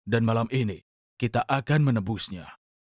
dan malam ini kita akan menebusnya